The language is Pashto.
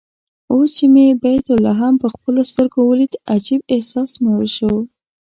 اوس چې مې بیت لحم په خپلو سترګو ولید عجيب احساس مې وشو.